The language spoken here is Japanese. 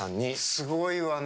すごいわね。